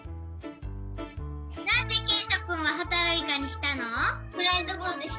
なんでけいとくんはほたるいかにしたの？